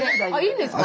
いいんですか？